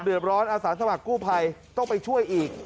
เดือดร้อนอาสาสมัครกู้ภัยต้องไปช่วยอีก